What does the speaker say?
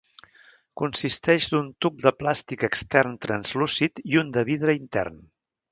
Consisteix d'un tub de plàstic extern translúcid i un de vidre intern.